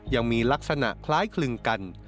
ยังมีลักษณะคล้ายคลึงกัน